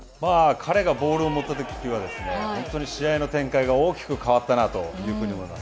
彼がボールを持ったときは本当に試合の展開が大きく変わったなというふうに思います。